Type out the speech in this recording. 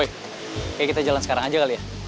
oke kita jalan sekarang aja kali ya